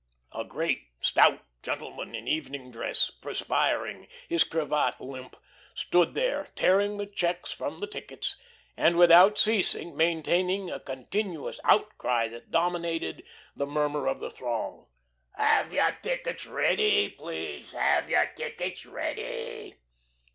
A great, stout gentleman in evening dress, perspiring, his cravatte limp, stood here, tearing the checks from the tickets, and without ceasing, maintaining a continuous outcry that dominated the murmur of the throng: "Have your tickets ready, please! Have your tickets ready."